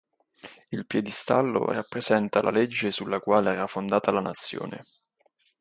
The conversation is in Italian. Il piedistallo rappresenta la legge sulla quale era fondata la nazione.